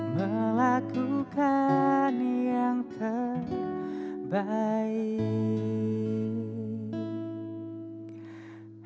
melakukan yang terbaik